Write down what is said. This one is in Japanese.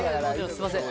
すみません。